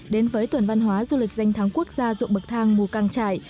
đến với tuần văn hóa du lịch danh thắng quốc gia dụng bậc thang mù căng trải